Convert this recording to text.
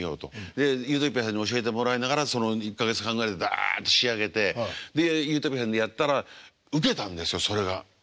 でゆーとぴあさんに教えてもらいながらその１か月半ぐらいでダッと仕上げてでゆーとぴあさんでやったらウケたんですよそれが。